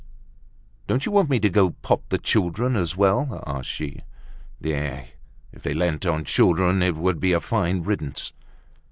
"Don't you want me to pop the children as well?" asked she. "Eh! If they lent on children, it would be a fine riddance!"